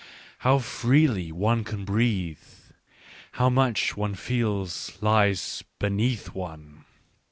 how freely one can breathe ! how much, one feels, lies beneath one!